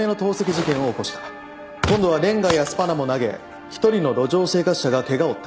今度はれんがやスパナも投げ１人の路上生活者がケガを負った。